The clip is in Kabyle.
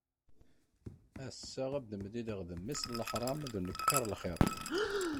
Ass-a ad d-mlileɣ d mmi-s n leḥṛam d unekkaṛ lxir.